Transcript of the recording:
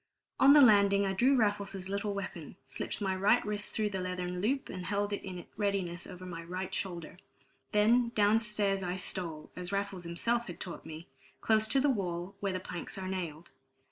On the landing I drew Raffles's little weapon, slipped my right wrist through the leathern loop, and held it in readiness over my right shoulder. Then, down stairs I stole, as Raffles himself had taught me, close to the wall, where the planks are nailed.